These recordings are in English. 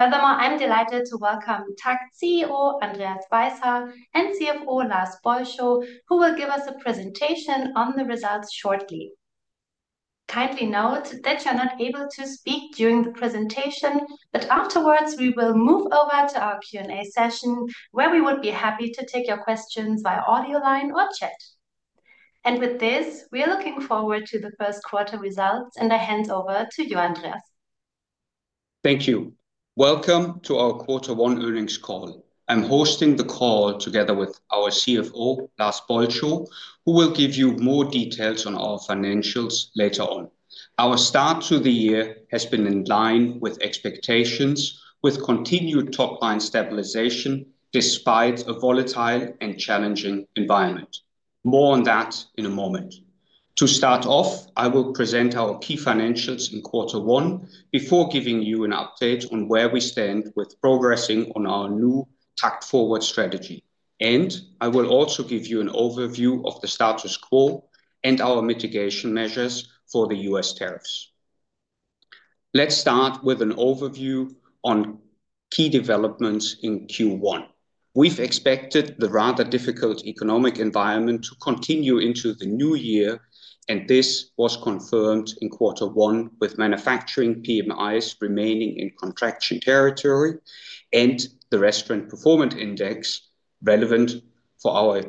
Furthermore, I'm delighted to welcome TAKKT CEO Andreas Weishaar and CFO Lars Bolscho, who will give us a presentation on the results shortly. Kindly note that you're not able to speak during the presentation, but afterwards we will move over to our Q&A session, where we would be happy to take your questions via audio line or chat. With this, we are looking forward to the first quarter results, and I hand over to you, Andreas. Thank you. Welcome to our Quarter One Earnings Call. I'm hosting the call together with our CFO, Lars Bolscho, who will give you more details on our financials later on. Our start to the year has been in line with expectations, with continued top-line stabilization despite a volatile and challenging environment. More on that in a moment. To start off, I will present our key financials in quarter one before giving you an update on where we stand with progressing on our new TAKKT Forward strategy. I will also give you an overview of the status quo and our mitigation measures for the U.S. tariffs. Let's start with an overview on key developments in Q1. We've expected the rather difficult economic environment to continue into the new year, and this was confirmed in quarter one with manufacturing PMIs remaining in contraction territory and the Restaurant Performance Index relevant for our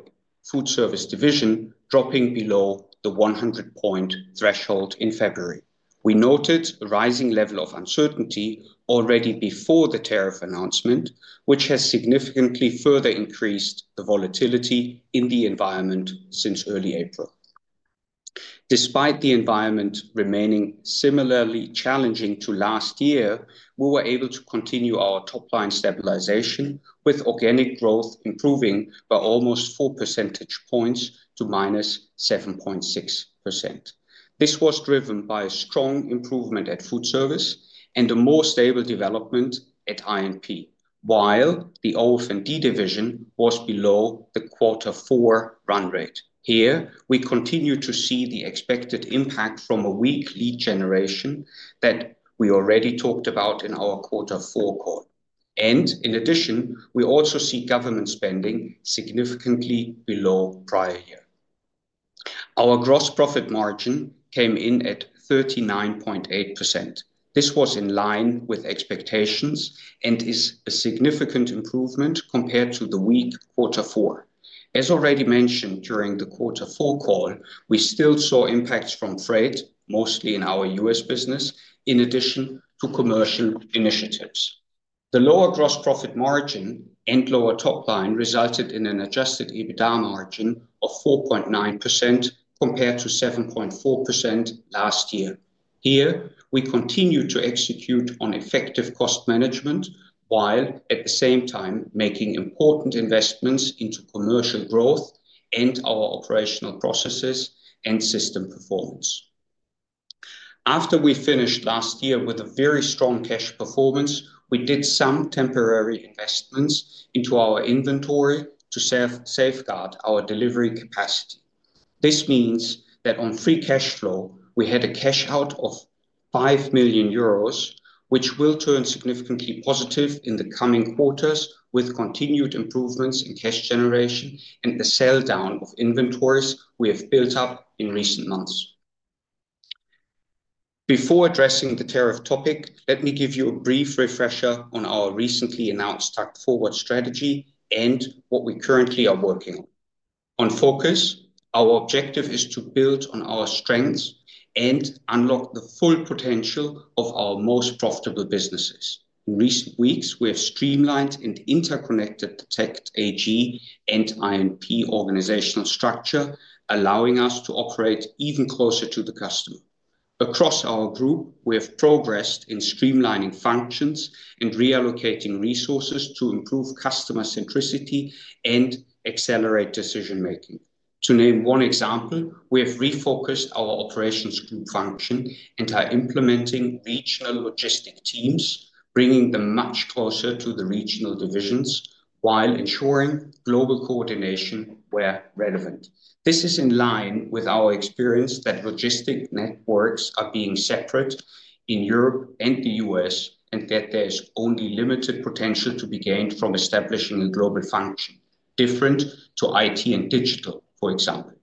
FoodService division dropping below the 100-point threshold in February. We noted a rising level of uncertainty already before the tariff announcement, which has significantly further increased the volatility in the environment since early April. Despite the environment remaining similarly challenging to last year, we were able to continue our top-line stabilization, with organic growth improving by almost 4 percentage points to -7.6%. This was driven by a strong improvement at FoodService and a more stable development at I&P, while the OF&D division was below the quarter four run rate. Here, we continue to see the expected impact from a weak lead generation that we already talked about in our quarter four call. In addition, we also see government spending significantly below prior year. Our gross profit margin came in at 39.8%. This was in line with expectations and is a significant improvement compared to the weak quarter four. As already mentioned during the quarter four call, we still saw impacts from freight, mostly in our U.S. business, in addition to commercial initiatives. The lower gross profit margin and lower top line resulted in an adjusted EBITDA margin of 4.9% compared to 7.4% last year. Here, we continue to execute on effective cost management while at the same time making important investments into commercial growth and our operational processes and system performance. After we finished last year with a very strong cash performance, we did some temporary investments into our inventory to safeguard our delivery capacity. This means that on free cash flow, we had a cash out of 5 million euros, which will turn significantly positive in the coming quarters with continued improvements in cash generation and the sell down of inventories we have built up in recent months. Before addressing the tariff topic, let me give you a brief refresher on our recently announced TAKKT Forward strategy and what we currently are working on. On focus, our objective is to build on our strengths and unlock the full potential of our most profitable businesses. In recent weeks, we have streamlined and interconnected TAKKT AG and I&P organizational structure, allowing us to operate even closer to the customer. Across our group, we have progressed in streamlining functions and reallocating resources to improve customer centricity and accelerate decision making. To name one example, we have refocused our operations group function and are implementing regional logistic teams, bringing them much closer to the regional divisions while ensuring global coordination where relevant. This is in line with our experience that logistic networks are being separated in Europe and the U.S. and that there's only limited potential to be gained from establishing a global function different to IT and digital, for example.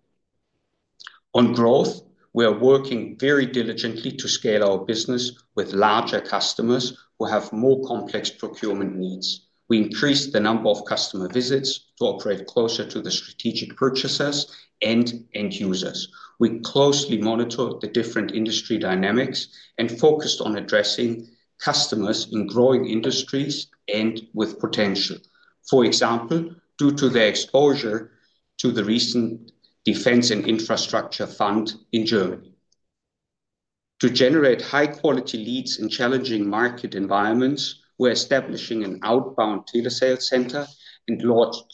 On growth, we are working very diligently to scale our business with larger customers who have more complex procurement needs. We increased the number of customer visits to operate closer to the strategic purchasers and end users. We closely monitor the different industry dynamics and focused on addressing customers in growing industries and with potential, for example, due to their exposure to the recent defense and infrastructure fund in Germany. To generate high-quality leads in challenging market environments, we're establishing an outbound dealer sales center and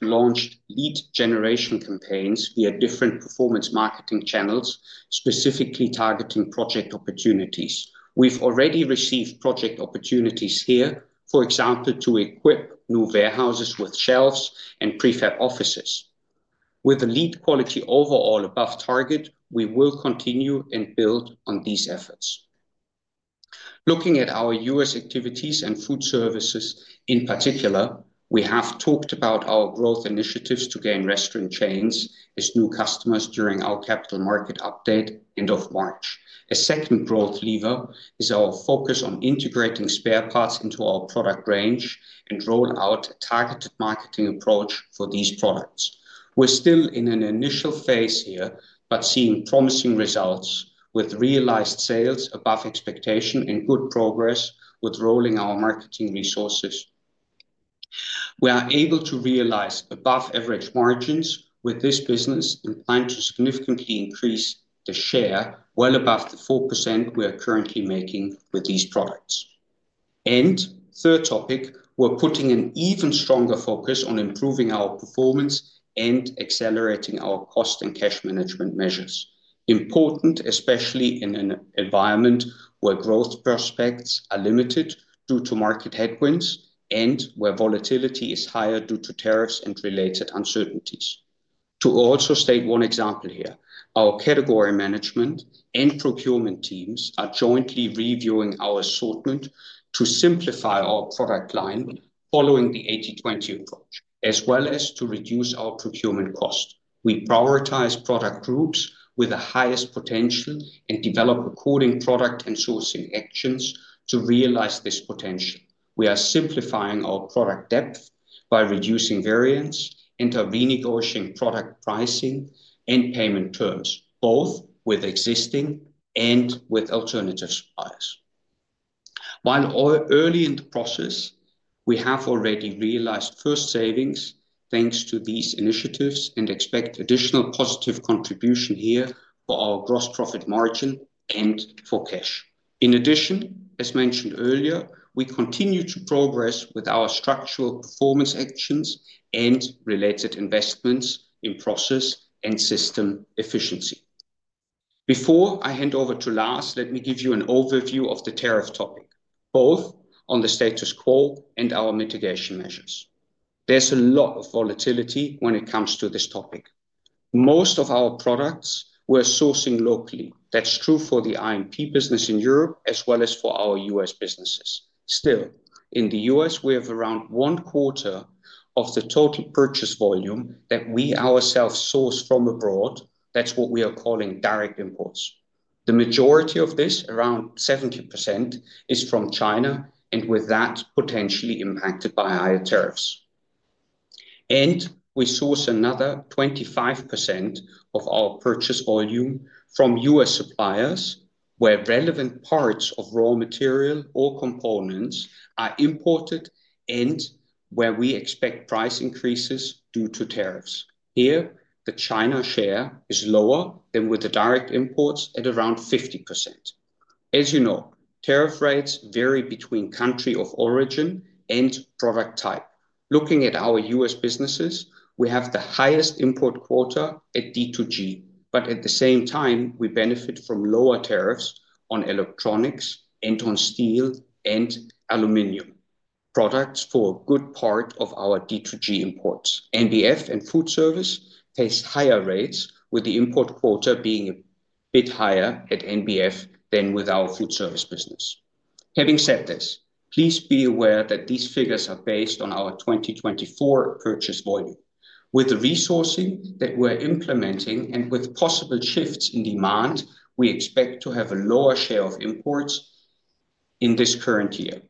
launched lead generation campaigns via different performance marketing channels, specifically targeting project opportunities. We've already received project opportunities here, for example, to equip new warehouses with shelves and prefab offices. With the lead quality overall above target, we will continue and build on these efforts. Looking at our U.S. activities and FoodServices in particular, we have talked about our growth initiatives to gain restaurant chains as new customers during our capital market update end of March. A second growth lever is our focus on integrating spare parts into our product range and roll out a targeted marketing approach for these products. We're still in an initial phase here, but seeing promising results with realized sales above expectation and good progress with rolling our marketing resources. We are able to realize above-average margins with this business and plan to significantly increase the share well above the 4% we are currently making with these products. Third topic, we are putting an even stronger focus on improving our performance and accelerating our cost and cash management measures. Important, especially in an environment where growth prospects are limited due to market headwinds and where volatility is higher due to tariffs and related uncertainties. To also state one example here, our category management and procurement teams are jointly reviewing our assortment to simplify our product line following the 80/20 approach, as well as to reduce our procurement cost. We prioritize product groups with the highest potential and develop according product and sourcing actions to realize this potential. We are simplifying our product depth by reducing variance and are renegotiating product pricing and payment terms, both with existing and with alternative suppliers. While early in the process, we have already realized first savings thanks to these initiatives and expect additional positive contribution here for our gross profit margin and for cash. In addition, as mentioned earlier, we continue to progress with our structural performance actions and related investments in process and system efficiency. Before I hand over to Lars, let me give you an overview of the tariff topic, both on the status quo and our mitigation measures. There is a lot of volatility when it comes to this topic. Most of our products we are sourcing locally. That is true for the I&P business in Europe as well as for our U.S. businesses. Still, in the U.S., we have around one quarter of the total purchase volume that we ourselves source from abroad. That is what we are calling direct imports. The majority of this, around 70%, is from China and with that potentially impacted by higher tariffs. We source another 25% of our purchase volume from U.S. suppliers where relevant parts of raw material or components are imported and where we expect price increases due to tariffs. Here, the China share is lower than with the direct imports at around 50%. As you know, tariff rates vary between country of origin and product type. Looking at our U.S. businesses, we have the highest import quota at D2G, but at the same time, we benefit from lower tariffs on electronics and on steel and aluminum products for a good part of our D2G imports. NBF and FoodService face higher rates, with the import quota being a bit higher at NBF than with our FoodService business. Having said this, please be aware that these figures are based on our 2024 purchase volume. With the resourcing that we're implementing and with possible shifts in demand, we expect to have a lower share of imports in this current year.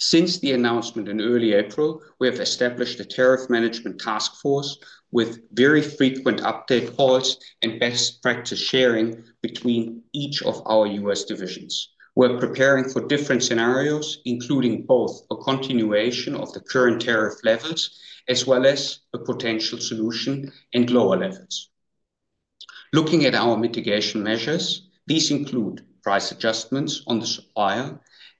Since the announcement in early April, we have established a tariff management task force with very frequent update calls and best practice sharing between each of our U.S. divisions. We're preparing for different scenarios, including both a continuation of the current tariff levels as well as a potential solution and lower levels. Looking at our mitigation measures, these include price adjustments on the supplier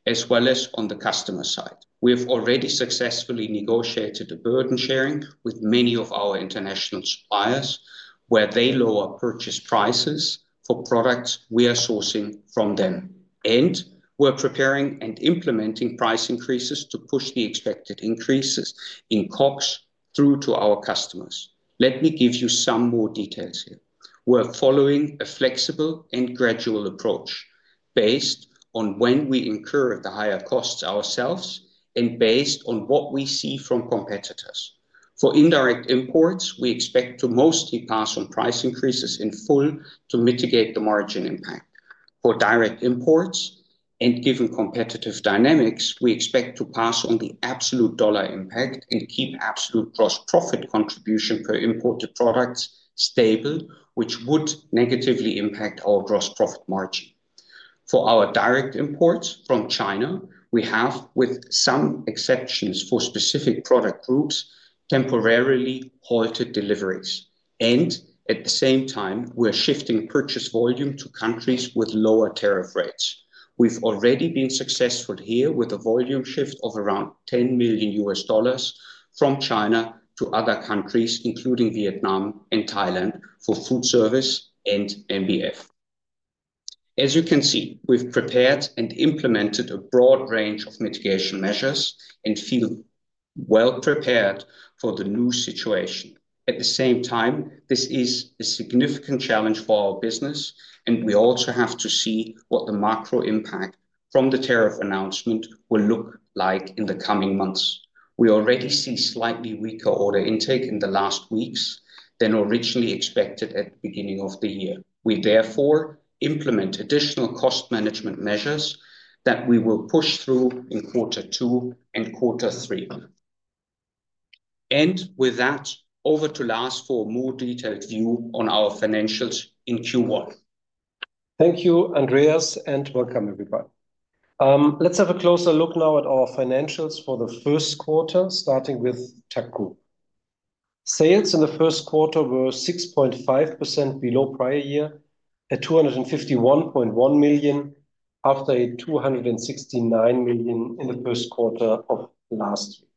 as well as on the customer side. We have already successfully negotiated a burden sharing with many of our international suppliers where they lower purchase prices for products we are sourcing from them. We are preparing and implementing price increases to push the expected increases in COGS through to our customers. Let me give you some more details here. We are following a flexible and gradual approach based on when we incur the higher costs ourselves and based on what we see from competitors. For indirect imports, we expect to mostly pass on price increases in full to mitigate the margin impact. For direct imports and given competitive dynamics, we expect to pass on the absolute dollar impact and keep absolute gross profit contribution per imported products stable, which would negatively impact our gross profit margin. For our direct imports from China, we have, with some exceptions for specific product groups, temporarily halted deliveries. At the same time, we're shifting purchase volume to countries with lower tariff rates. We've already been successful here with a volume shift of around $10 million from China to other countries, including Vietnam and Thailand for FoodService and NBF. As you can see, we've prepared and implemented a broad range of mitigation measures and feel well prepared for the new situation. At the same time, this is a significant challenge for our business, and we also have to see what the macro impact from the tariff announcement will look like in the coming months. We already see slightly weaker order intake in the last weeks than originally expected at the beginning of the year. We therefore implement additional cost management measures that we will push through in quarter two and quarter three. With that, over to Lars for a more detailed view on our financials in Q1. Thank you, Andreas, and welcome everyone. Let's have a closer look now at our financials for the first quarter, starting with TAKKT. Sales in the first quarter were 6.5% below prior year at 251.1 million after 269 million in the first quarter of last year.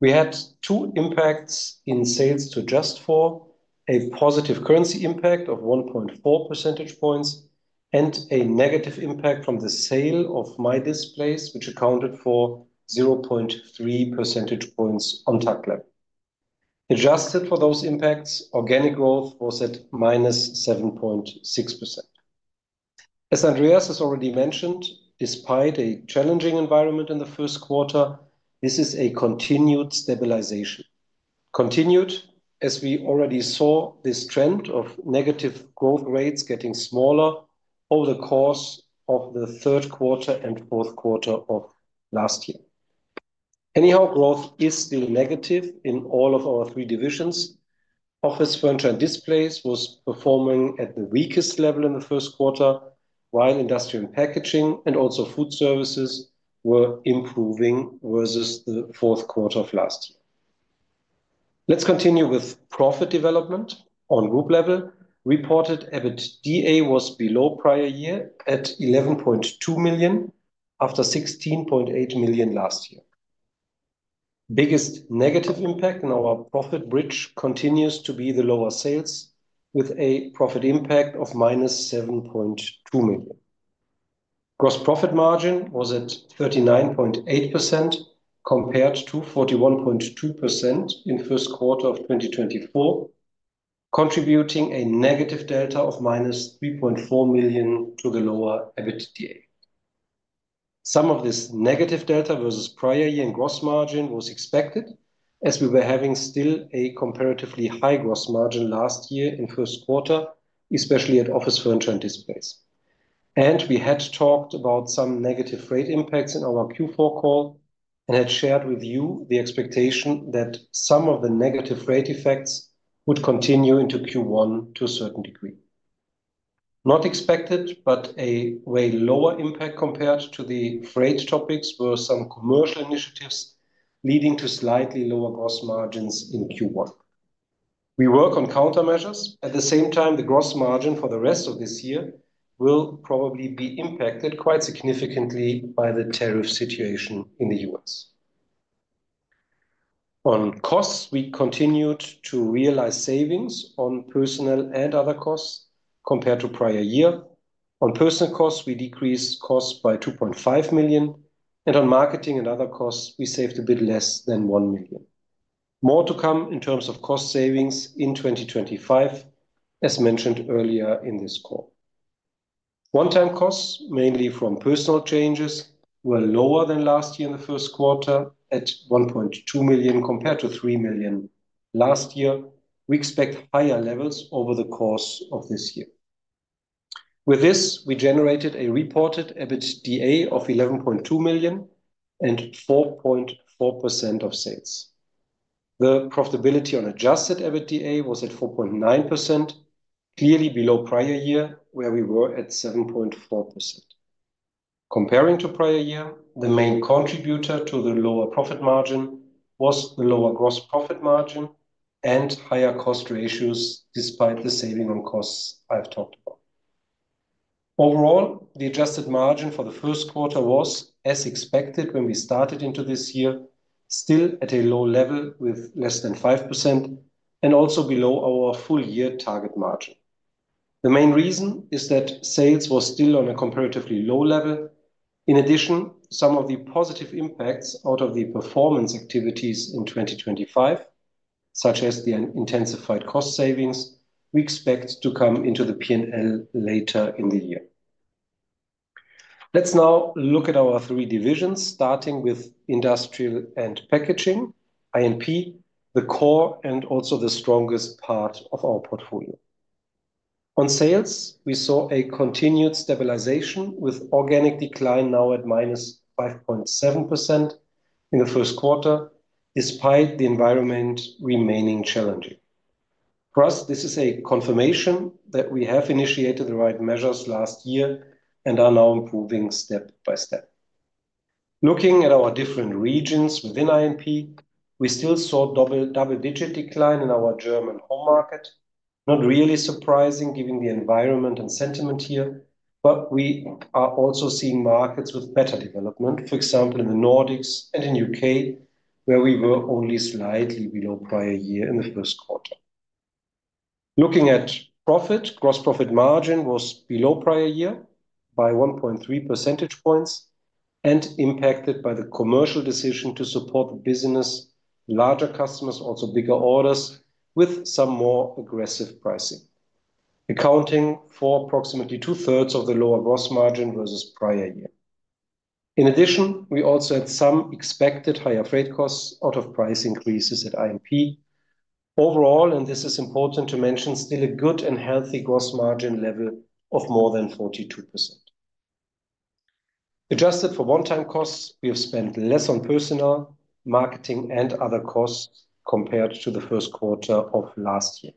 We had two impacts in sales to adjust for: a positive currency impact of 1.4 percentage points and a negative impact from the sale of MyDisplays, which accounted for 0.3 percentage points on TAKKT. Adjusted for those impacts, organic growth was at -7.6%. As Andreas has already mentioned, despite a challenging environment in the first quarter, this is a continued stabilization. Continued, as we already saw, this trend of negative growth rates getting smaller over the course of the third quarter and fourth quarter of last year. Anyhow, growth is still negative in all of our three divisions. Office Furniture & displays was performing at the weakest level in the first quarter, while Industrial & Packaging and also FoodServices were improving versus the fourth quarter of last year. Let's continue with profit development on group level. Reported EBITDA was below prior year at 11.2 million after 16.8 million last year. Biggest negative impact in our profit bridge continues to be the lower sales, with a profit impact of minus 7.2 million. Gross profit margin was at 39.8% compared to 41.2% in first quarter of 2024, contributing a negative delta of minus 3.4 million to the lower EBITDA. Some of this negative delta versus prior year in gross margin was expected, as we were having still a comparatively high gross margin last year in first quarter, especially at Office Furniture & Displays. We had talked about some negative rate impacts in our Q4 call and had shared with you the expectation that some of the negative rate effects would continue into Q1 to a certain degree. Not expected, but a way lower impact compared to the freight topics, were some commercial initiatives leading to slightly lower gross margins in Q1. We work on countermeasures. At the same time, the gross margin for the rest of this year will probably be impacted quite significantly by the tariff situation in the U.S. On costs, we continued to realize savings on personnel and other costs compared to prior year. On personnel costs, we decreased costs by 2.5 million, and on marketing and other costs, we saved a bit less than 1 million. More to come in terms of cost savings in 2025, as mentioned earlier in this call. One-time costs, mainly from personnel changes, were lower than last year in the first quarter at 1.2 million compared to 3 million last year. We expect higher levels over the course of this year. With this, we generated a reported EBITDA of 11.2 million and 4.4% of sales. The profitability on adjusted EBITDA was at 4.9%, clearly below prior year, where we were at 7.4%. Comparing to prior year, the main contributor to the lower profit margin was the lower gross profit margin and higher cost ratios despite the saving on costs I've talked about. Overall, the adjusted margin for the first quarter was, as expected when we started into this year, still at a low level with less than 5% and also below our full year target margin. The main reason is that sales were still on a comparatively low level. In addition, some of the positive impacts out of the performance activities in 2025, such as the intensified cost savings, we expect to come into the P&L later in the year. Let's now look at our three divisions, starting with Industrial & Packaging, I&P, the core and also the strongest part of our portfolio. On sales, we saw a continued stabilization with organic decline now at -5.7% in the first quarter, despite the environment remaining challenging. For us, this is a confirmation that we have initiated the right measures last year and are now improving step by step. Looking at our different regions within I&P, we still saw double-digit decline in our German home market, not really surprising given the environment and sentiment here, but we are also seeing markets with better development, for example, in the Nordics and in the U.K., where we were only slightly below prior year in the first quarter. Looking at profit, gross profit margin was below prior year by 1.3 percentage points and impacted by the commercial decision to support the business, larger customers, also bigger orders with some more aggressive pricing, accounting for approximately two-thirds of the lower gross margin versus prior year. In addition, we also had some expected higher freight costs out of price increases at I&P. Overall, and this is important to mention, still a good and healthy gross margin level of more than 42%. Adjusted for one-time costs, we have spent less on personnel, marketing, and other costs compared to the first quarter of last year.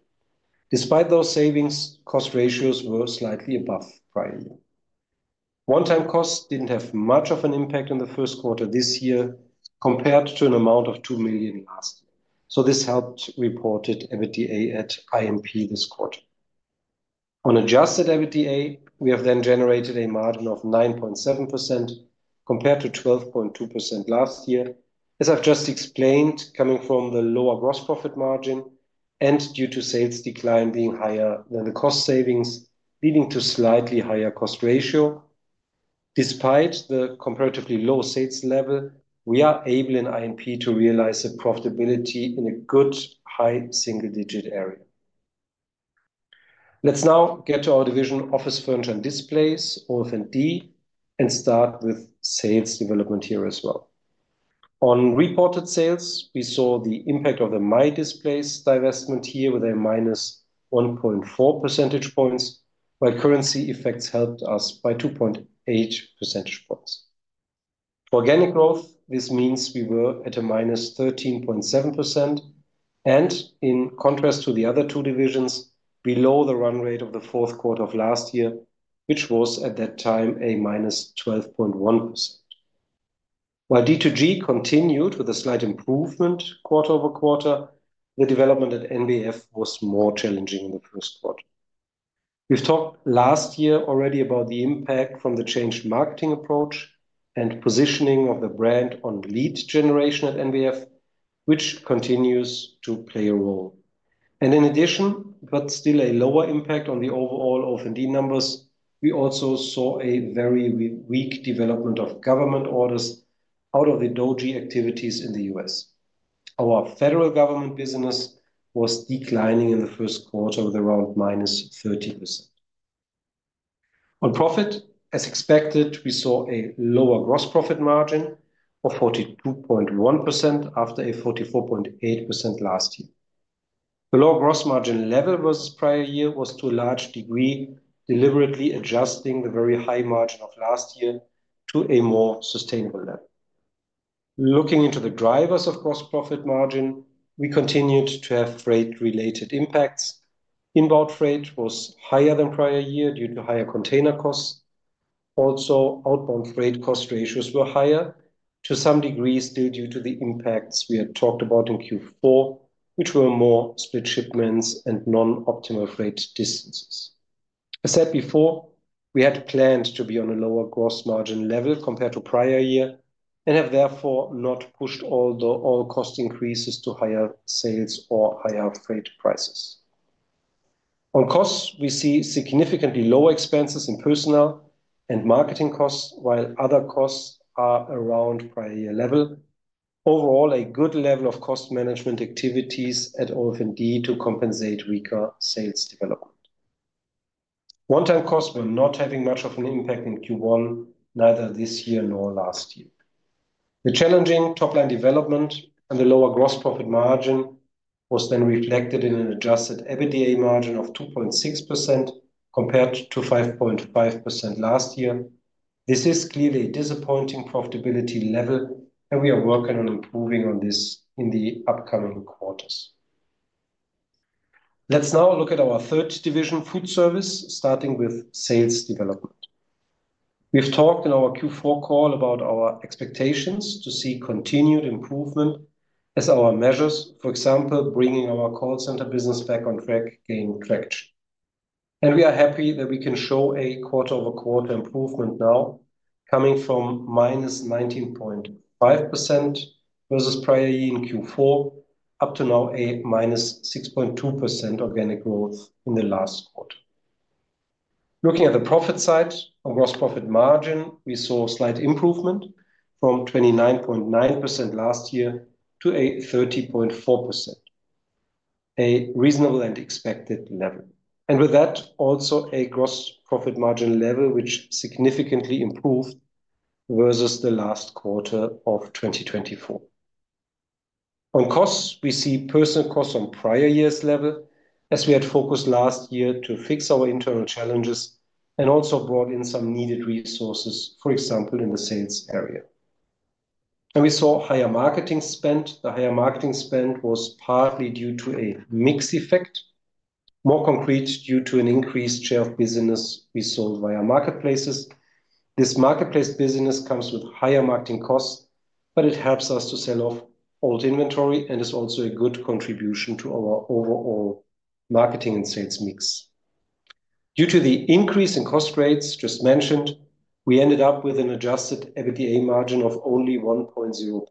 Despite those savings, cost ratios were slightly above prior year. One-time costs did not have much of an impact in the first quarter this year compared to an amount of 2 million last year. This helped reported EBITDA at I&P this quarter. On adjusted EBITDA, we have then generated a margin of 9.7% compared to 12.2% last year. As I have just explained, coming from the lower gross profit margin and due to sales decline being higher than the cost savings, leading to slightly higher cost ratio. Despite the comparatively low sales level, we are able in I&P to realize a profitability in a good high single-digit area. Let's now get to our division, Office Furniture & Displays, OF&D, and start with sales development here as well. On reported sales, we saw the impact of the MyDisplays divestment here with a -1.4 percentage points, while currency effects helped us by 2.8 percentage points. For organic growth, this means we were at a minus 13.7%, and in contrast to the other two divisions, below the run rate of the fourth quarter of last year, which was at that time a -12.1%. While D2G continued with a slight improvement quarter over quarter, the development at NBF was more challenging in the first quarter. We have talked last year already about the impact from the changed marketing approach and positioning of the brand on lead generation at NBF, which continues to play a role. In addition, but still a lower impact on the overall OF&D numbers, we also saw a very weak development of government orders out of the DOGE activities in the U.S. Our federal government business was declining in the first quarter with around -30%. On profit, as expected, we saw a lower gross profit margin of 42.1% after a 44.8% last year. The lower gross margin level versus prior year was to a large degree deliberately adjusting the very high margin of last year to a more sustainable level. Looking into the drivers of gross profit margin, we continued to have freight-related impacts. Inbound freight was higher than prior year due to higher container costs. Also, outbound freight cost ratios were higher to some degree still due to the impacts we had talked about in Q4, which were more split shipments and non-optimal freight distances. As said before, we had planned to be on a lower gross margin level compared to prior year and have therefore not pushed all the all-cost increases to higher sales or higher freight prices. On costs, we see significantly lower expenses in personnel and marketing costs, while other costs are around prior year level. Overall, a good level of cost management activities at OF&D to compensate weaker sales development. One-time costs were not having much of an impact in Q1, neither this year nor last year. The challenging top-line development and the lower gross profit margin was then reflected in an adjusted EBITDA margin of 2.6% compared to 5.5% last year. This is clearly a disappointing profitability level, and we are working on improving on this in the upcoming quarters. Let's now look at our third division, FoodService, starting with sales development. We've talked in our Q4 call about our expectations to see continued improvement as our measures, for example, bringing our call center business back on track, gaining traction. We are happy that we can show a quarter-over-quarter improvement now, coming from -19.5% versus prior year in Q4 up to now a -6.2% organic growth in the last quarter. Looking at the profit side, on gross profit margin, we saw a slight improvement from 29.9% last year to a 30.4%, a reasonable and expected level. With that, also a gross profit margin level, which significantly improved versus the last quarter of 2024. On costs, we see personnel costs on prior year's level, as we had focused last year to fix our internal challenges and also brought in some needed resources, for example, in the sales area. We saw higher marketing spend. The higher marketing spend was partly due to a mix effect, more concrete due to an increased share of business we sold via marketplaces. This marketplace business comes with higher marketing costs, but it helps us to sell off old inventory and is also a good contribution to our overall marketing and sales mix. Due to the increase in cost rates just mentioned, we ended up with an adjusted EBITDA margin of only 1.0%.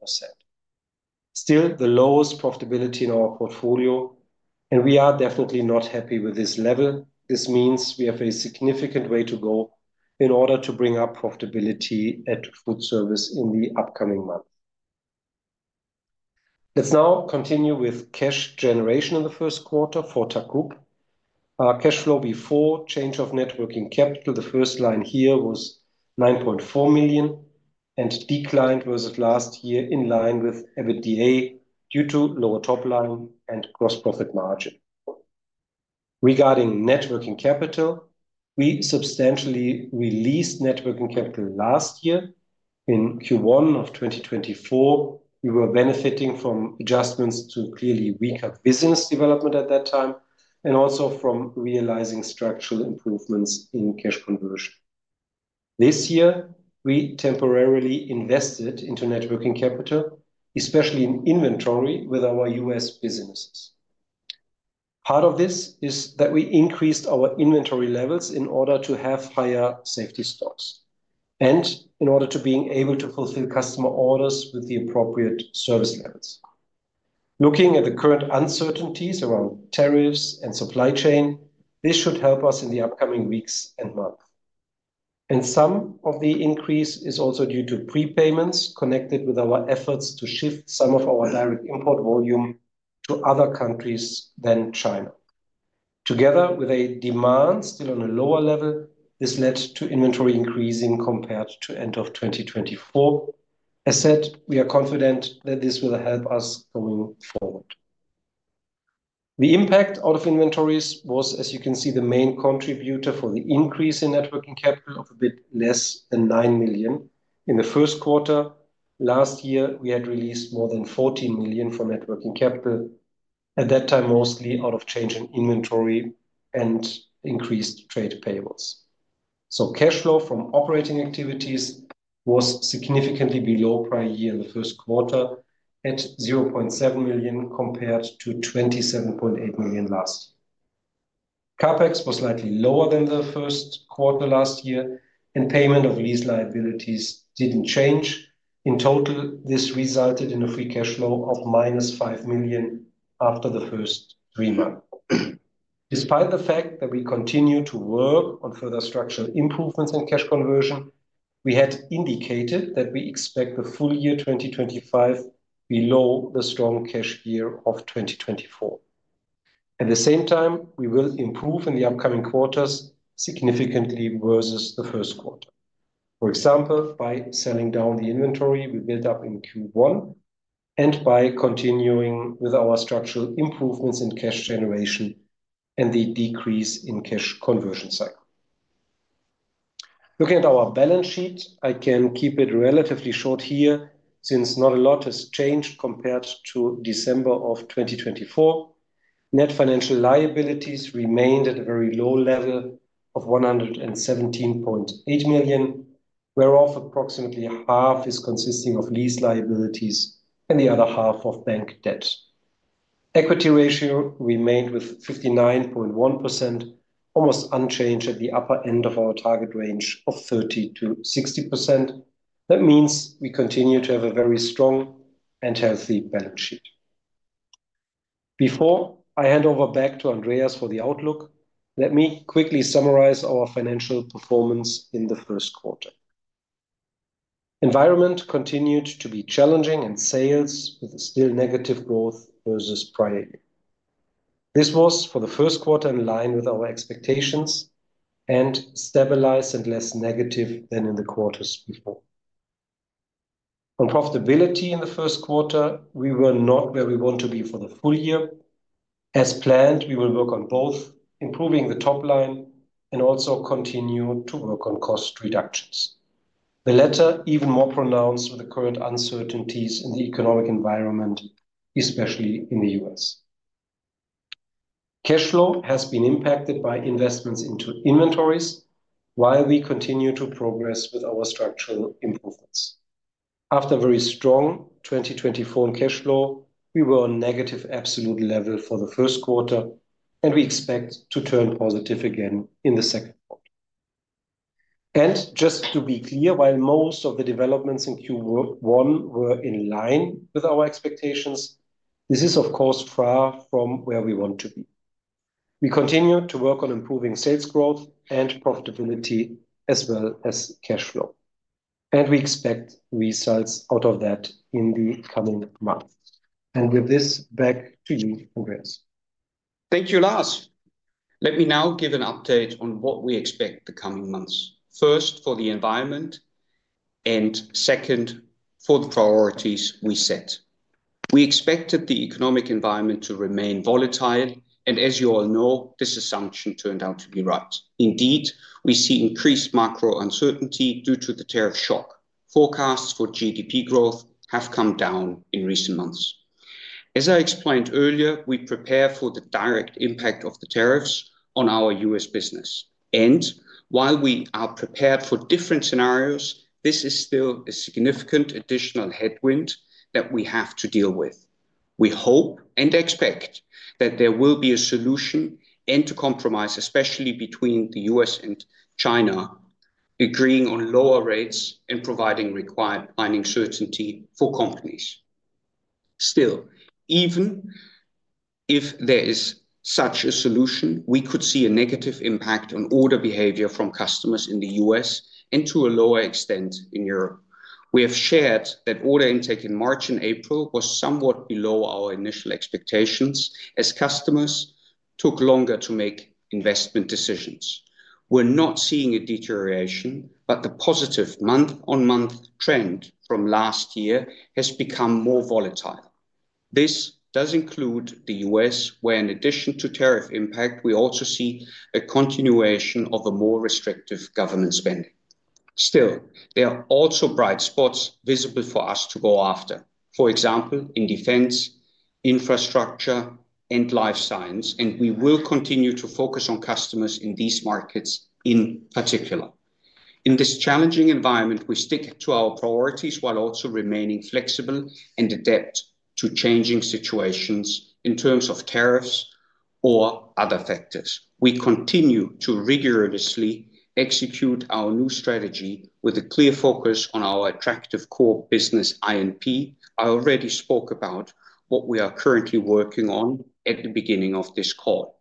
Still, the lowest profitability in our portfolio, and we are definitely not happy with this level. This means we have a significant way to go in order to bring up profitability at FoodService in the upcoming month. Let's now continue with cash generation in the first quarter for TAKKT. Cash flow before change of net working capital, the first line here was 9.4 million and declined versus last year in line with EBITDA due to lower top-line and gross profit margin. Regarding net working capital, we substantially released net working capital last year. In Q1 of 2024, we were benefiting from adjustments to clearly weaker business development at that time and also from realizing structural improvements in cash conversion. This year, we temporarily invested into networking capital, especially in inventory with our U.S. businesses. Part of this is that we increased our inventory levels in order to have higher safety stocks and in order to be able to fulfill customer orders with the appropriate service levels. Looking at the current uncertainties around tariffs and supply chain, this should help us in the upcoming weeks and months. Some of the increase is also due to prepayments connected with our efforts to shift some of our direct import volume to other countries than China. Together with a demand still on a lower level, this led to inventory increasing compared to the end of 2024. As said, we are confident that this will help us going forward. The impact out of inventories was, as you can see, the main contributor for the increase in net working capital of a bit less than 9 million. In the first quarter last year, we had released more than 14 million for net working capital, at that time mostly out of change in inventory and increased trade payables. Cash flow from operating activities was significantly below prior year in the first quarter at 0.7 million compared to 27.8 million last year. CapEx was slightly lower than the first quarter last year, and payment of lease liabilities did not change. In total, this resulted in a free cash flow of minus 5 million after the first three months. Despite the fact that we continue to work on further structural improvements in cash conversion, we had indicated that we expect the full year 2025 below the strong cash year of 2024. At the same time, we will improve in the upcoming quarters significantly versus the first quarter. For example, by selling down the inventory we built up in Q1 and by continuing with our structural improvements in cash generation and the decrease in cash conversion cycle. Looking at our balance sheet, I can keep it relatively short here since not a lot has changed compared to December of 2024. Net financial liabilities remained at a very low level of 117.8 million, whereof approximately half is consisting of lease liabilities and the other half of bank debt. Equity ratio remained with 59.1%, almost unchanged at the upper end of our target range of 30%-60%. That means we continue to have a very strong and healthy balance sheet. Before I hand over back to Andreas for the outlook, let me quickly summarize our financial performance in the first quarter. Environment continued to be challenging and sales with still negative growth versus prior year. This was for the first quarter in line with our expectations and stabilized and less negative than in the quarters before. On profitability in the first quarter, we were not where we want to be for the full year. As planned, we will work on both improving the top line and also continue to work on cost reductions. The latter even more pronounced with the current uncertainties in the economic environment, especially in the U.S. Cash flow has been impacted by investments into inventories while we continue to progress with our structural improvements. After a very strong 2024 cash flow, we were on negative absolute level for the first quarter, and we expect to turn positive again in the second quarter. Just to be clear, while most of the developments in Q1 were in line with our expectations, this is of course far from where we want to be. We continue to work on improving sales growth and profitability as well as cash flow, and we expect results out of that in the coming months. With this, back to you, Andreas. Thank you, Lars. Let me now give an update on what we expect the coming months. First, for the environment, and second, for the priorities we set. We expected the economic environment to remain volatile, and as you all know, this assumption turned out to be right. Indeed, we see increased macro uncertainty due to the tariff shock. Forecasts for GDP growth have come down in recent months. As I explained earlier, we prepare for the direct impact of the tariffs on our U.S. business. While we are prepared for different scenarios, this is still a significant additional headwind that we have to deal with. We hope and expect that there will be a solution and a compromise, especially between the U.S. and China, agreeing on lower rates and providing required planning certainty for companies. Still, even if there is such a solution, we could see a negative impact on order behavior from customers in the U.S. and to a lower extent in Europe. We have shared that order intake in March and April was somewhat below our initial expectations as customers took longer to make investment decisions. We're not seeing a deterioration, but the positive month-on-month trend from last year has become more volatile. This does include the U.S., where in addition to tariff impact, we also see a continuation of a more restrictive government spending. Still, there are also bright spots visible for us to go after, for example, in defense, infrastructure, and life science, and we will continue to focus on customers in these markets in particular. In this challenging environment, we stick to our priorities while also remaining flexible and adept to changing situations in terms of tariffs or other factors. We continue to rigorously execute our new strategy with a clear focus on our attractive core business, I&P. I already spoke about what we are currently working on at the beginning of this call.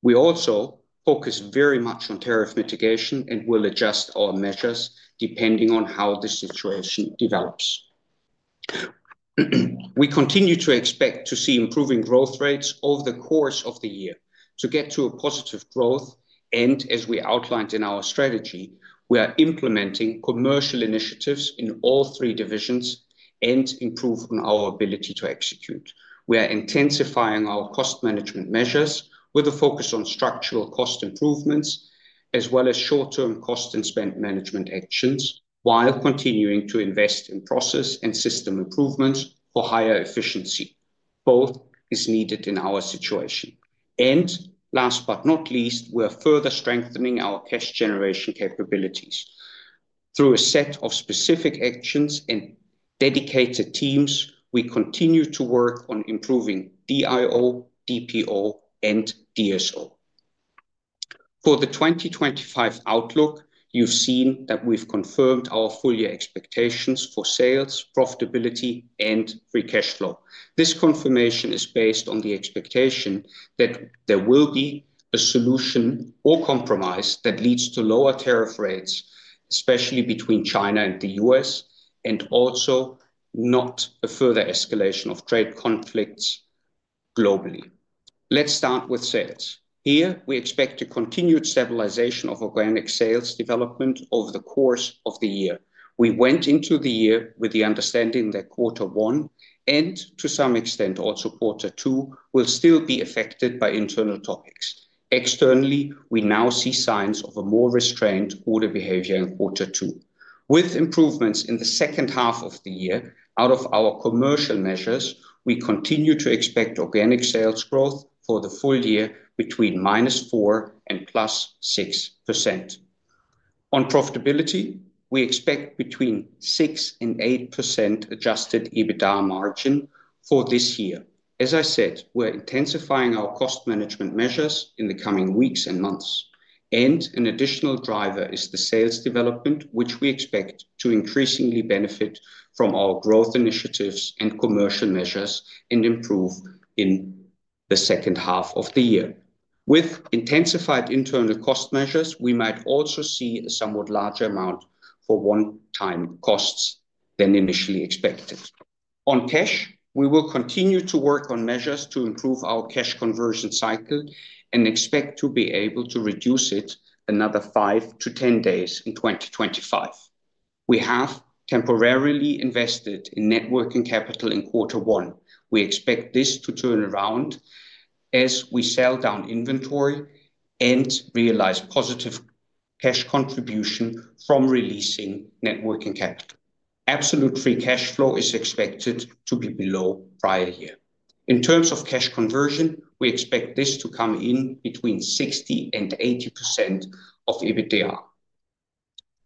We also focus very much on tariff mitigation and will adjust our measures depending on how the situation develops. We continue to expect to see improving growth rates over the course of the year to get to a positive growth, and as we outlined in our strategy, we are implementing commercial initiatives in all three divisions and improving our ability to execute. We are intensifying our cost management measures with a focus on structural cost improvements as well as short-term cost and spend management actions while continuing to invest in process and system improvements for higher efficiency. Both is needed in our situation. Last but not least, we are further strengthening our cash generation capabilities. Through a set of specific actions and dedicated teams, we continue to work on improving DIO, DPO, and DSO. For the 2025 outlook, you have seen that we have confirmed our full year expectations for sales, profitability, and free cash flow. This confirmation is based on the expectation that there will be a solution or compromise that leads to lower tariff rates, especially between China and the U.S., and also not a further escalation of trade conflicts globally. Let's start with sales. Here, we expect a continued stabilization of organic sales development over the course of the year. We went into the year with the understanding that quarter one and to some extent also quarter two will still be affected by internal topics. Externally, we now see signs of a more restrained order behavior in quarter two. With improvements in the second half of the year, out of our commercial measures, we continue to expect organic sales growth for the full year between -4% and +6%. On profitability, we expect between 6% and 8% adjusted EBITDA margin for this year. As I said, we are intensifying our cost management measures in the coming weeks and months. An additional driver is the sales development, which we expect to increasingly benefit from our growth initiatives and commercial measures and improve in the second half of the year. With intensified internal cost measures, we might also see a somewhat larger amount for one-time costs than initially expected. On cash, we will continue to work on measures to improve our cash conversion cycle and expect to be able to reduce it another 5-10 days in 2025. We have temporarily invested in net working capital in quarter one. We expect this to turn around as we sell down inventory and realize positive cash contribution from releasing net working capital. Absolute free cash flow is expected to be below prior year. In terms of cash conversion, we expect this to come in between 60% and 80% of EBITDA.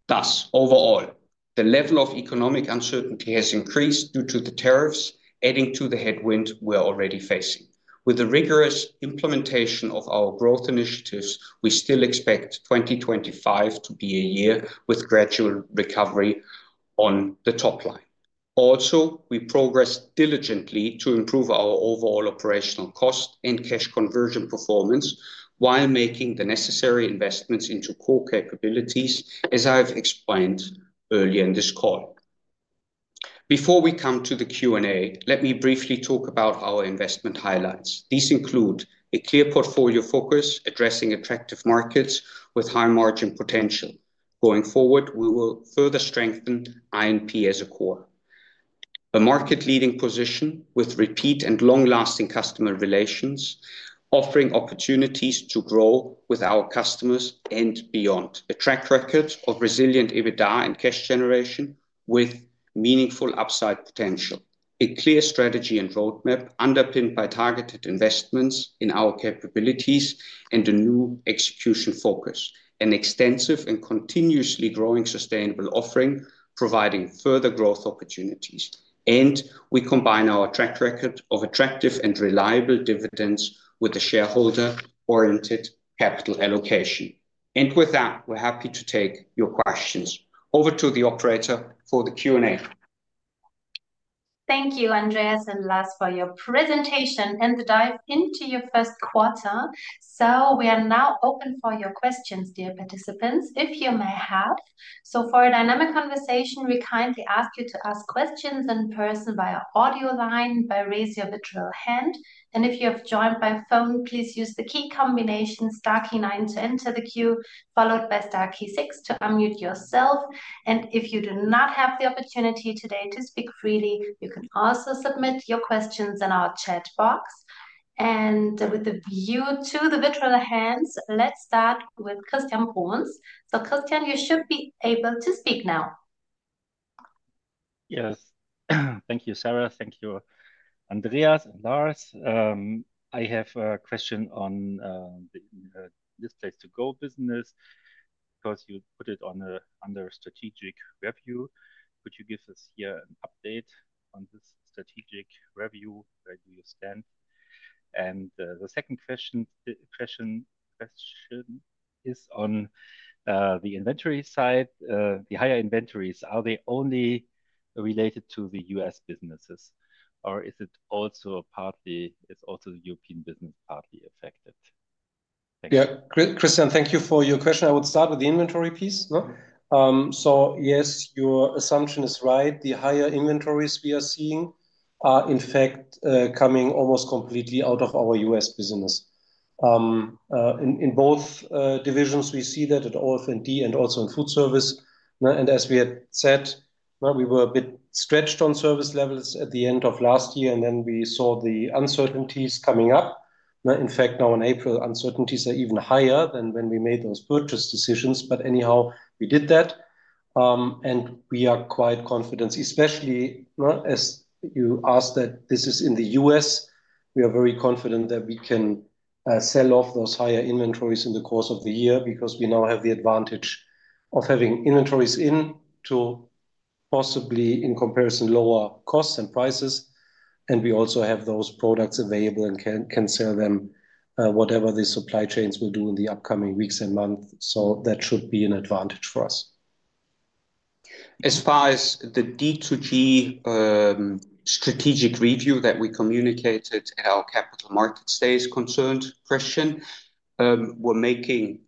Thus, overall, the level of economic uncertainty has increased due to the tariffs adding to the headwind we're already facing. With the rigorous implementation of our growth initiatives, we still expect 2025 to be a year with gradual recovery on the top line. Also, we progressed diligently to improve our overall operational cost and cash conversion performance while making the necessary investments into core capabilities, as I've explained earlier in this call. Before we come to the Q&A, let me briefly talk about our investment highlights. These include a clear portfolio focus addressing attractive markets with high margin potential. Going forward, we will further strengthen I&P as a core. A market-leading position with repeat and long-lasting customer relations, offering opportunities to grow with our customers and beyond. A track record of resilient EBITDA and cash generation with meaningful upside potential. A clear strategy and roadmap underpinned by targeted investments in our capabilities and a new execution focus. An extensive and continuously growing sustainable offering providing further growth opportunities. We combine our track record of attractive and reliable dividends with the shareholder-oriented capital allocation. With that, we're happy to take your questions. Over to the operator for the Q&A. Thank you, Andreas and Lars, for your presentation and the dive into your first quarter. We are now open for your questions, dear participants, if you may have. For a dynamic conversation, we kindly ask you to ask questions in person via audio line, by raising your virtual hand. If you have joined by phone, please use the key combination star key nine to enter the queue, followed by star key six to unmute yourself. If you do not have the opportunity today to speak freely, you can also submit your questions in our chat box. With a view to the virtual hands, let's start with Christian Bruns. Christian, you should be able to speak now. Yes. Thank you, Sarah. Thank you, Andreas and Lars. I have a question on this Displays2go business because you put it under strategic review. Could you give us here an update on this strategic review? Where do you stand? The second question is on the inventory side. The higher inventories, are they only related to the U.S. businesses, or is the European business also partly affected? Yeah, Christian, thank you for your question. I would start with the inventory piece. Yes, your assumption is right. The higher inventories we are seeing are in fact coming almost completely out of our U.S. business. In both divisions, we see that at OF&D and also in FoodService. As we had said, we were a bit stretched on service levels at the end of last year, and then we saw the uncertainties coming up. In fact, now in April, uncertainties are even higher than when we made those purchase decisions. Anyhow, we did that. We are quite confident, especially as you asked that this is in the U.S., we are very confident that we can sell off those higher inventories in the course of the year because we now have the advantage of having inventories in to possibly, in comparison, lower costs and prices. We also have those products available and can sell them whatever the supply chains will do in the upcoming weeks and months. That should be an advantage for us. As far as the D2G strategic review that we communicated at our capital markets day is concerned, Christian, we're making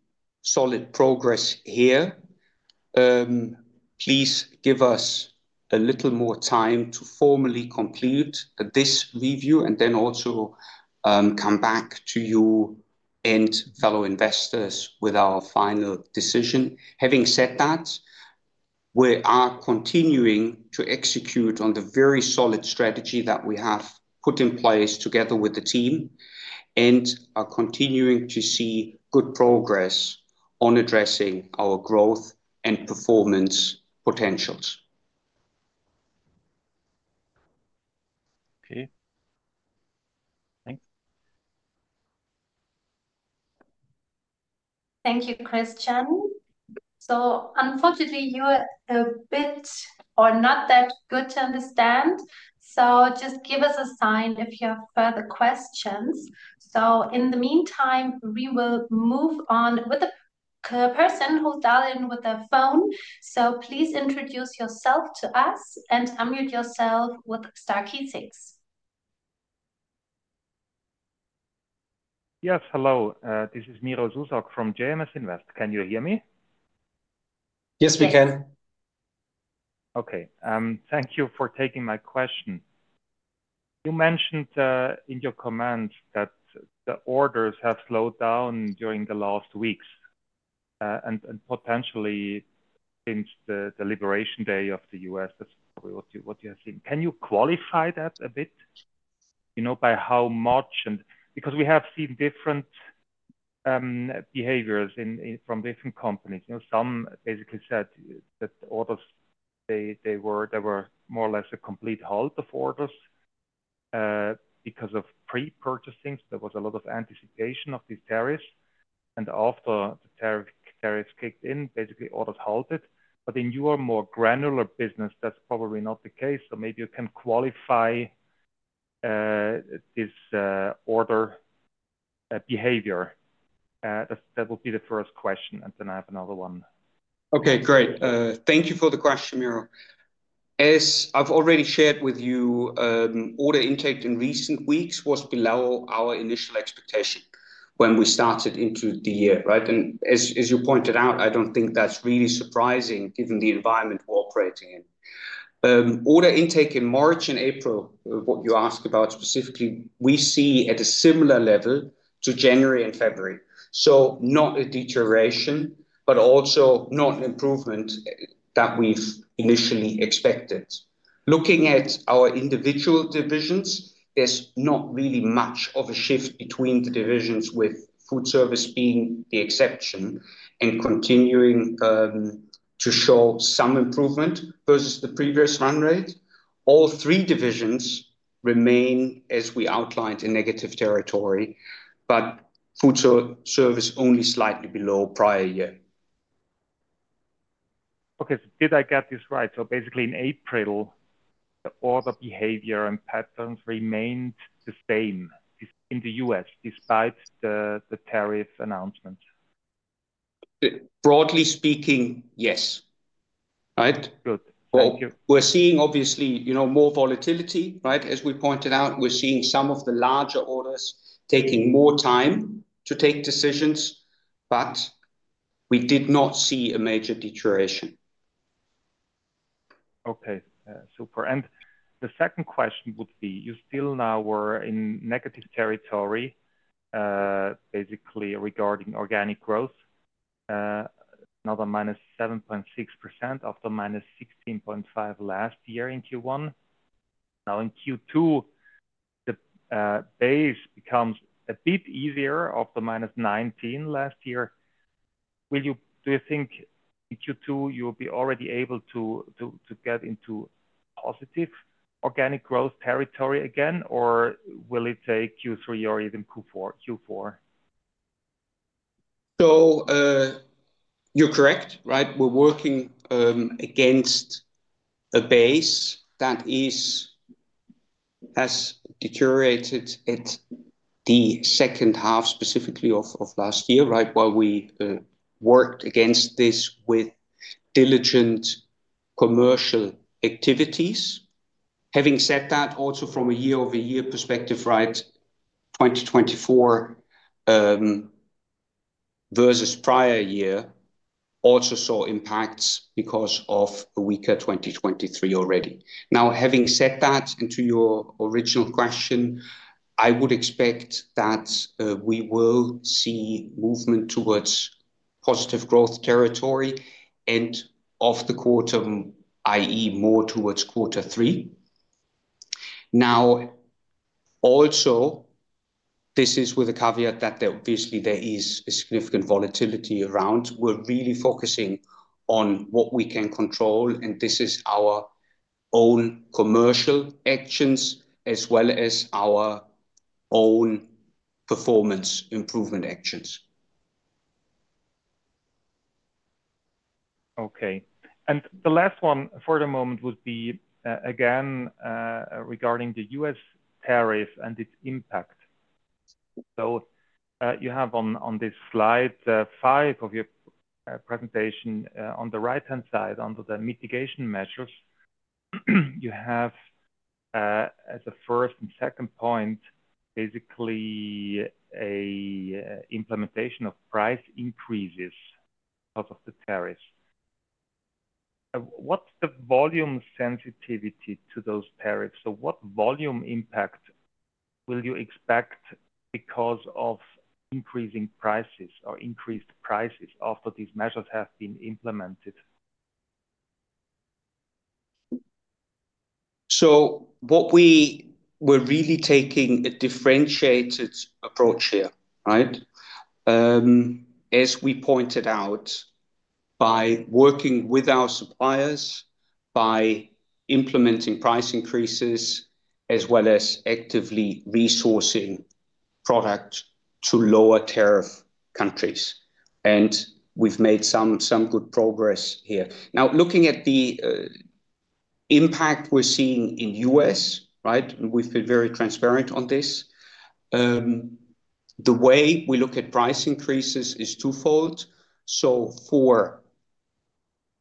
solid progress here. Please give us a little more time to formally complete this review and then also come back to you and fellow investors with our final decision. Having said that, we are continuing to execute on the very solid strategy that we have put in place together with the team and are continuing to see good progress on addressing our growth and performance potentials. Okay. Thanks. Thank you, Christian. Unfortunately, you are a bit or not that good to understand. Just give us a sign if you have further questions. In the meantime, we will move on with the person who's dialed in with their phone. Please introduce yourself to us and unmute yourself with star key six. Yes, hello. This is Miro Zuzak from JMS Invest. Can you hear me? Yes, we can. Okay. Thank you for taking my question. You mentioned in your comments that the orders have slowed down during the last weeks and potentially since the Liberation Day of the U.S. That's probably what you have seen. Can you qualify that a bit by how much? Because we have seen different behaviors from different companies. Some basically said that orders, there were more or less a complete halt of orders because of pre-purchasing. There was a lot of anticipation of these tariffs. After the tariffs kicked in, basically orders halted. In your more granular business, that's probably not the case. Maybe you can qualify this order behavior. That would be the first question. I have another one. Okay, great. Thank you for the question, Miro. As I have already shared with you, order intake in recent weeks was below our initial expectation when we started into the year, right? As you pointed out, I do not think that is really surprising given the environment we are operating in. Order intake in March and April, what you asked about specifically, we see at a similar level to January and February. Not a deterioration, but also not an improvement that we initially expected. Looking at our individual divisions, there is not really much of a shift between the divisions with FoodService being the exception and continuing to show some improvement versus the previous run rate. All three divisions remain, as we outlined, in negative territory, but FoodService only slightly below prior year. Okay, so did I get this right? Basically in April, the order behavior and patterns remained the same in the U.S. despite the tariff announcement? Broadly speaking, yes. Right? Good. Thank you. We're seeing obviously more volatility, right? As we pointed out, we're seeing some of the larger orders taking more time to take decisions, but we did not see a major deterioration. Okay, super. The second question would be, you still now were in negative territory, basically regarding organic growth, another -7.6% after -16.5% last year in Q1. Now in Q2, the base becomes a bit easier after -19% last year. Do you think in Q2 you'll be already able to get into positive organic growth territory again, or will it take Q3 or even Q4? You're correct, right? We're working against a base that has deteriorated at the second half specifically of last year, right? While we worked against this with diligent commercial activities. Having said that, also from a year-over-year perspective, right, 2024 versus prior year also saw impacts because of a weaker 2023 already. Now, having said that, and to your original question, I would expect that we will see movement towards positive growth territory end of the quarter, i.e., more towards quarter three. Now, also this is with a caveat that obviously there is a significant volatility around. We're really focusing on what we can control, and this is our own commercial actions as well as our own performance improvement actions. Okay. The last one for the moment would be again regarding the U.S. tariff and its impact. You have on this slide five of your presentation on the right-hand side under the mitigation measures. You have as a first and second point, basically an implementation of price increases because of the tariffs. What's the volume sensitivity to those tariffs? What volume impact will you expect because of increasing prices or increased prices after these measures have been implemented? What we were really taking is a differentiated approach here, right? As we pointed out, by working with our suppliers, by implementing price increases, as well as actively resourcing product to lower tariff countries. We have made some good progress here. Now, looking at the impact we are seeing in the U.S., right? We have been very transparent on this. The way we look at price increases is twofold. For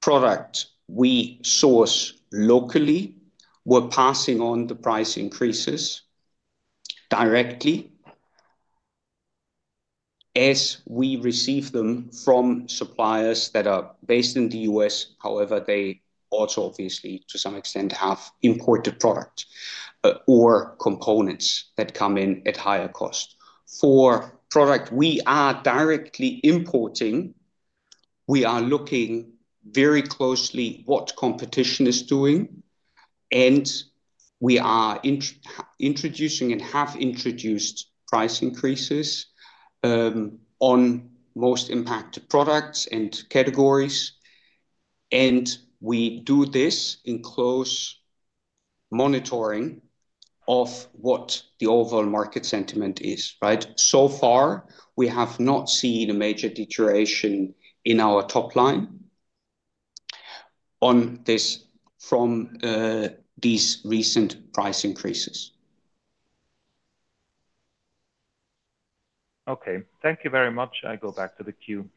product we source locally, we're passing on the price increases directly as we receive them from suppliers that are based in the U.S., however they also obviously to some extent have imported product or components that come in at higher cost. For product we are directly importing, we are looking very closely at what competition is doing, and we are introducing and have introduced price increases on most impacted products and categories. We do this in close monitoring of what the overall market sentiment is, right? So far, we have not seen a major deterioration in our top line on this from these recent price increases. Thank you very much. I go back to the queue.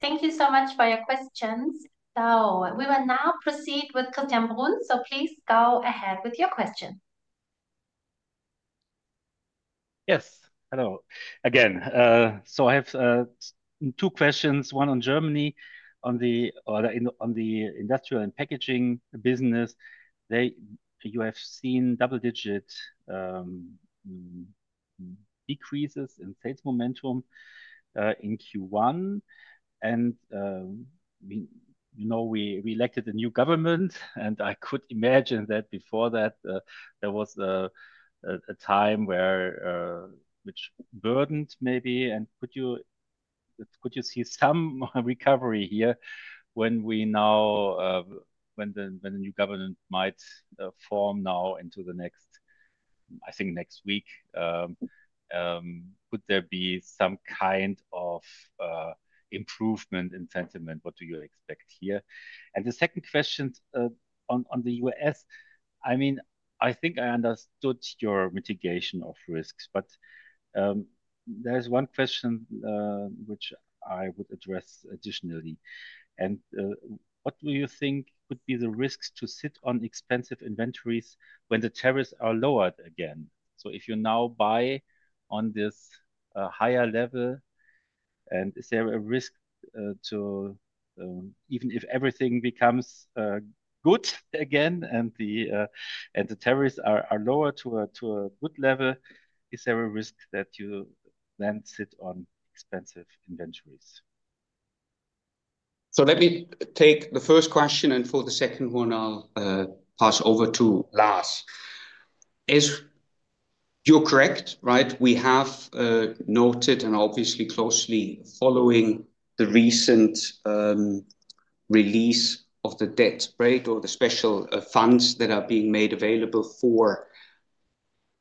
Thank you so much for your questions. We will now proceed with Christian Bruns. Please go ahead with your question. Yes. Hello again. I have two questions. One on Germany, on the Industrial & Packaging business. You have seen double-digit decreases in sales momentum in Q1. We elected a new government, and I could imagine that before that there was a time which burdened maybe. Could you see some recovery here when the new government might form now into the next, I think next week? Could there be some kind of improvement in sentiment? What do you expect here? The second question on the U.S., I mean, I think I understood your mitigation of risks, but there is one question which I would address additionally. What do you think would be the risks to sit on expensive inventories when the tariffs are lowered again? If you now buy on this higher level, is there a risk to, even if everything becomes good again and the tariffs are lowered to a good level, is there a risk that you then sit on expensive inventories? Let me take the first question, and for the second one, I'll pass over to Lars. As you're correct, right, we have noted and obviously closely following the recent release of the debt rate or the special funds that are being made available for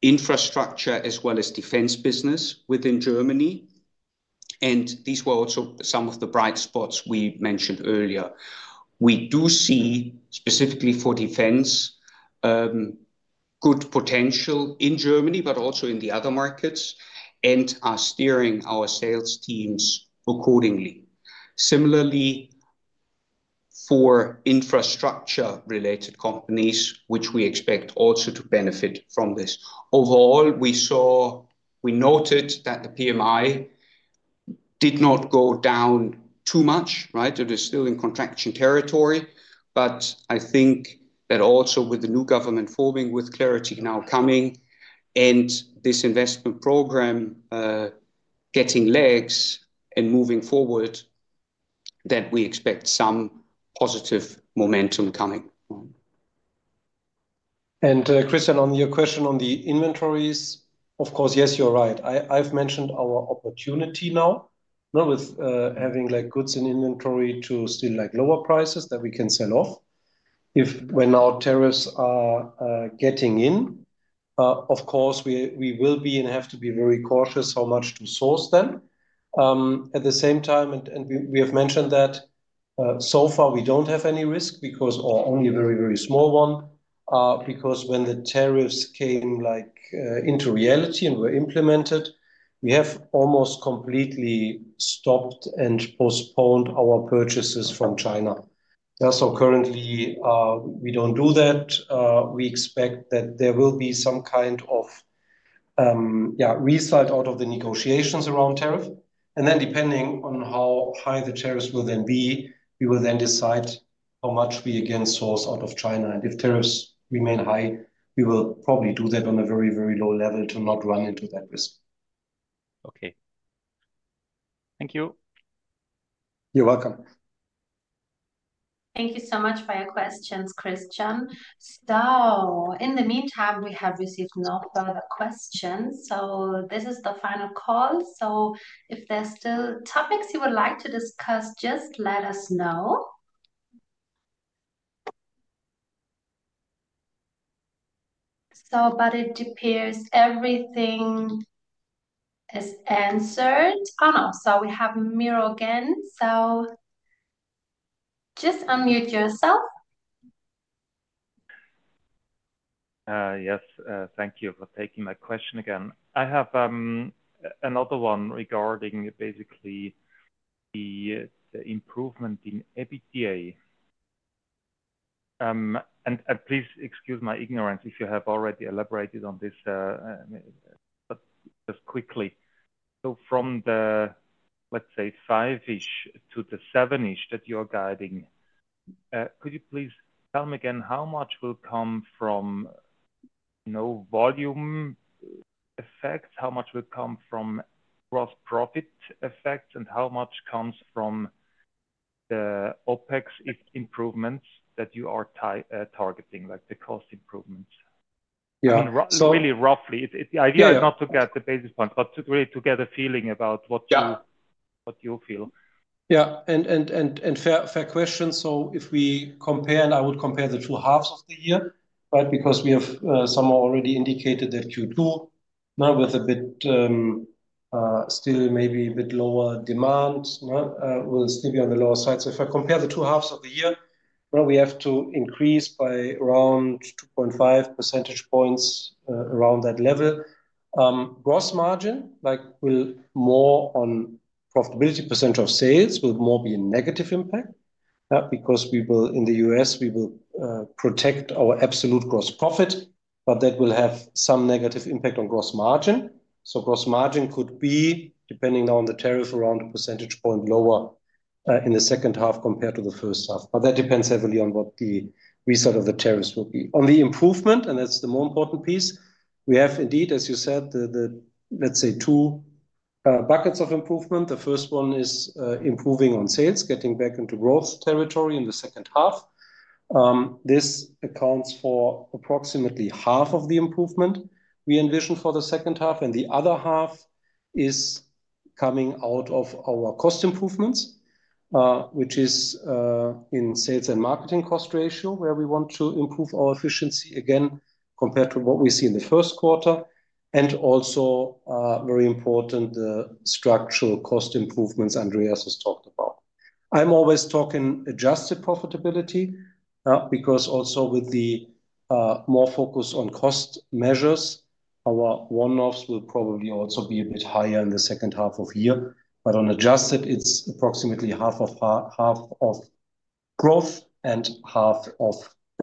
infrastructure as well as defense business within Germany. These were also some of the bright spots we mentioned earlier. We do see, specifically for defense, good potential in Germany, but also in the other markets, and are steering our sales teams accordingly. Similarly, for infrastructure-related companies, which we expect also to benefit from this. Overall, we noted that the PMI did not go down too much, right? It is still in contraction territory. I think that also with the new government forming, with clarity now coming, and this investment program getting legs and moving forward, we expect some positive momentum coming. Christian, on your question on the inventories, of course, yes, you're right. I've mentioned our opportunity now with having goods in inventory to still lower prices that we can sell off. If when our tariffs are getting in, of course, we will be and have to be very cautious how much to source them. At the same time, we have mentioned that so far we do not have any risk because, or only a very, very small one, because when the tariffs came into reality and were implemented, we have almost completely stopped and postponed our purchases from China. Currently, we do not do that. We expect that there will be some kind of result out of the negotiations around tariff. Depending on how high the tariffs will then be, we will then decide how much we again source out of China. If tariffs remain high, we will probably do that on a very, very low level to not run into that risk. Thank you. You are welcome. Thank you so much for your questions, Christian. In the meantime, we have received no further questions. This is the final call. If there are still topics you would like to discuss, just let us know. It appears everything is answered. Oh, no. We have Miro again. Just unmute yourself. Yes. Thank you for taking my question again. I have another one regarding basically the improvement in EBITDA. Please excuse my ignorance if you have already elaborated on this, but just quickly. From the, let's say, five-ish to the seven-ish that you're guiding, could you please tell me again how much will come from volume effects, how much will come from gross profit effects, and how much comes from the OpEx improvements that you are targeting, like the cost improvements? Really roughly. The idea is not to get the basis points, but really to get a feeling about what you feel. Yeah. Fair question. If we compare, and I would compare the two halves of the year, right, because some have already indicated that Q2 with a bit still maybe a bit lower demand will still be on the lower side. If I compare the two halves of the year, we have to increase by around 2.5 percentage points around that level. Gross margin will more on profitability percentage of sales will more be a negative impact because in the U.S., we will protect our absolute gross profit, but that will have some negative impact on gross margin. Gross margin could be, depending on the tariff, around a percentage point lower in the second half compared to the first half. That depends heavily on what the result of the tariffs will be. On the improvement, and that's the more important piece, we have indeed, as you said, let's say two buckets of improvement. The first one is improving on sales, getting back into growth territory in the second half. This accounts for approximately half of the improvement we envision for the second half. The other half is coming out of our cost improvements, which is in sales and marketing cost ratio where we want to improve our efficiency again compared to what we see in the first quarter. Also very important, the structural cost improvements Andreas has talked about. I'm always talking adjusted profitability because also with the more focus on cost measures, our one-offs will probably also be a bit higher in the second half of the year. On adjusted, it's approximately half of growth and half of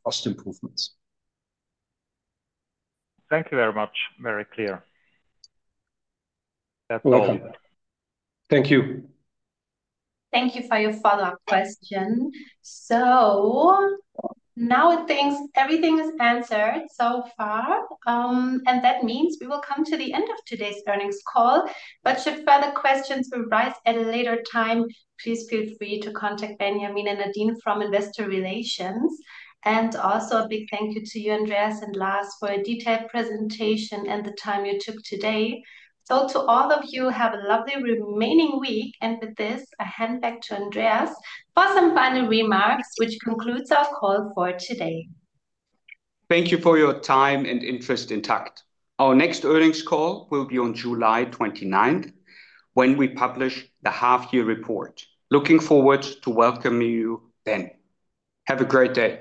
cost improvements. Thank you very much. Very clear. That's all. Thank you. Thank you for your follow-up question. I think everything is answered so far. That means we will come to the end of today's earnings call. Should further questions arise at a later time, please feel free to contact Benjamin and Nadine from Investor Relations. A big thank you to you, Andreas and Lars, for a detailed presentation and the time you took today. To all of you, have a lovely remaining week. With this, I hand back to Andreas for some final remarks, which concludes our call for today. Thank you for your time and interest in TAKKT. Our next earnings call will be on July 29, 2024, when we publish the half-year report. Looking forward to welcoming you then. Have a great day.